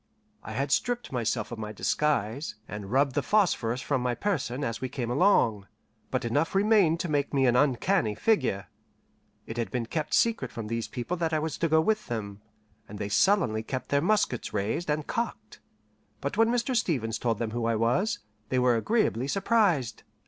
I had stripped myself of my disguise, and rubbed the phosphorus from my person as we came along, but enough remained to make me an uncanny figure. It had been kept secret from these people that I was to go with them, and they sullenly kept their muskets raised and cocked; but when Mr. Stevens told them who I was, they were agreeably surprised.